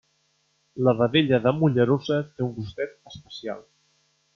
La vedella de Mollerussa té un gustet especial.